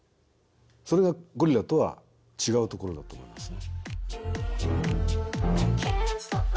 それがゴリラとは違うところだと思いますね。